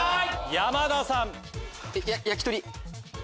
山田さん。